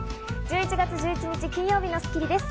１１月１１日、金曜日の『スッキリ』です。